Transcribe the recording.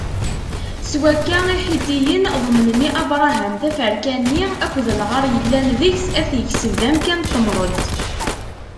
S wakka, Iḥitiyen ḍemnen i Abṛaham taferka-nni akked lɣar yellan deg-s, ad t-ikseb d amkan n temḍelt.